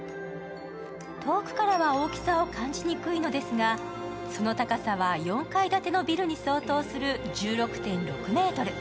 遠くからは大きさを感じにくいのですが、その高さは４階建てのビルに相当する１６．６ｍ。